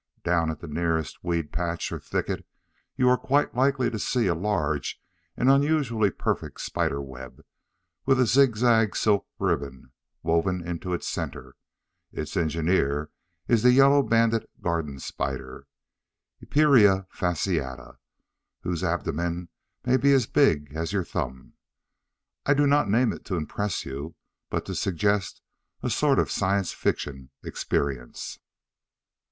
Down at the nearest weed patch or thicket you are quite likely to see a large and unusually perfect spider web with a zig zag silk ribbon woven into its center. Its engineer is the yellow banded garden spider (Epeira Fasciata) whose abdomen may be as big as your thumb. I do not name it to impress you, but to suggest a sort of science fiction experience.